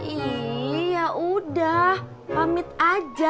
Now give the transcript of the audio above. ih ya udah pamit aja